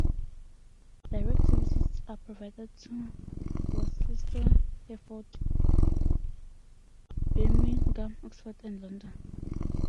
Direct services are provided to Worcester, Hereford, Birmingham, Oxford and London.